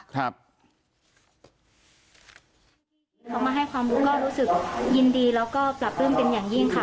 คือเขามาให้ความรู้ก็รู้สึกยินดีแล้วก็ปรับปลื้มเป็นอย่างยิ่งค่ะ